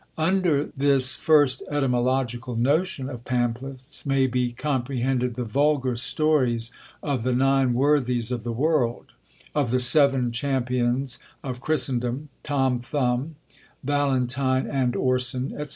Under this first etymological notion of Pamphlets may be comprehended the vulgar stories of the Nine Worthies of the World, of the Seven Champions of Christendom, Tom Thumb, Valentine and Orson, &c.